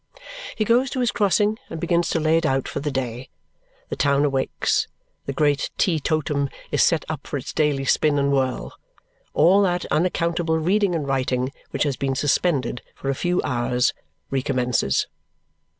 He goes to his crossing and begins to lay it out for the day. The town awakes; the great tee totum is set up for its daily spin and whirl; all that unaccountable reading and writing, which has been suspended for a few hours, recommences.